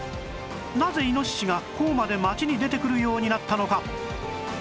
なぜイノシシがこうまで街に出てくるようになったのか？